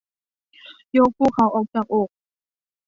ยกภูเขาออกจากอก